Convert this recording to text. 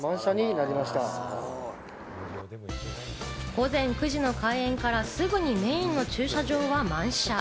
午前９時の開園からすぐにメインの駐車場は満車。